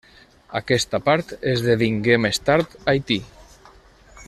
Aquesta part esdevingué més tard Haití.